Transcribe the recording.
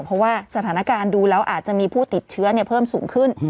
เพราะว่าสถานการณ์ดูแล้วอาจจะมีผู้ติดเชื้อเพิ่มสูงขึ้น